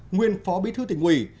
nguyên phó bí thư tỉnh uỷ